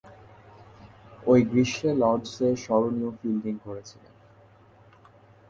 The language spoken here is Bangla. ঐ গ্রীষ্মে লর্ডসে স্মরণীয় ফিল্ডিং করেছিলেন।